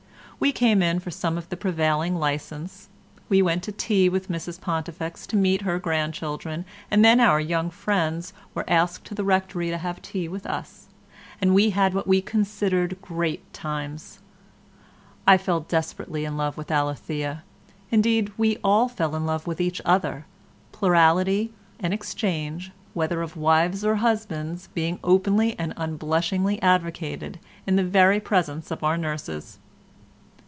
We came in for some of the prevailing licence; we went to tea with Mrs Pontifex to meet her grandchildren, and then our young friends were asked to the Rectory to have tea with us, and we had what we considered great times. I fell desperately in love with Alethea, indeed we all fell in love with each other, plurality and exchange whether of wives or husbands being openly and unblushingly advocated in the very presence of our nurses.